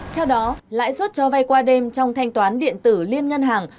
theo đó lãi suất cho vay qua đêm trong thanh toán điện tử liên ngân hàng